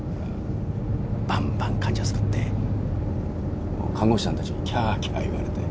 バンバン患者救って看護師さんたちにキャーキャー言われて。